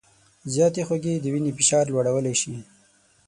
زیاتې خوږې د وینې فشار لوړولی شي.